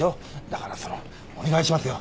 だからそのうお願いしますよ。